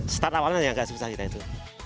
start awalnya yang agak susah kita itu